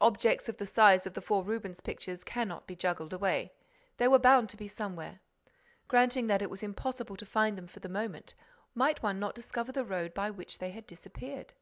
Objects of the size of the four Rubens pictures cannot be juggled away. They were bound to be somewhere. Granting that it was impossible to find them for the moment, might one not discover the road by which they had disappeared?